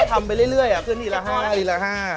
มันก็ทำไปเรื่อยอะเพื่อนดีละ๕